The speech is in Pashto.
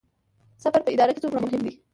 صبر په اداره کې څومره مهم دی؟